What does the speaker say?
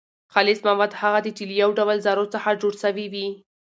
خالص مواد هغه دي چي له يو ډول ذرو څخه جوړ سوي وي.